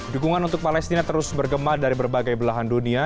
dukungan untuk palestina terus bergema dari berbagai belahan dunia